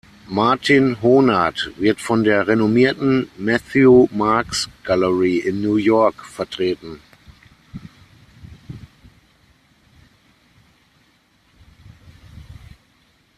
Martin Honert wird von der renommierten Matthew Marks Gallery in New York vertreten.